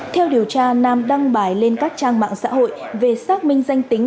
theo điều tra nam đăng bài lên các trang mạng xã hội về xác minh danh tính